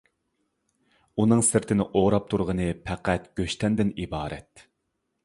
ئۇنىڭ سىرتىنى ئوراپ تۇرغىنى پەقەت گۆش تەندىن ئىبارەت.